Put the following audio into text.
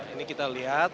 ini kita lihat